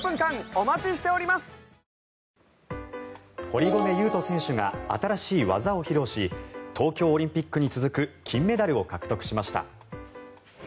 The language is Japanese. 堀米雄斗選手が新しい技を披露し東京オリンピックに続く金メダルを獲得しました。